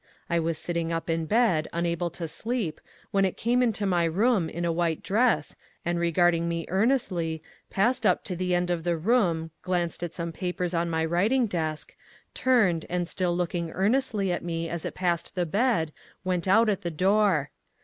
I was sitting up in bed, unable to sleep, when it came into my room, in a white dress, and regarding me earnestly, passed up to the end of the room, glanced at some papers on my writing desk, turned, and, still looking earnestly at me as it passed the bed, went out at the door.